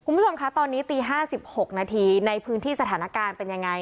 คุณผู้ชมคะตอนนี้ตี๕๖นาทีในพื้นที่สถานการณ์เป็นยังไง